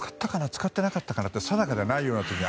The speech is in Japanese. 使ってなかったかなって定かじゃないような気が。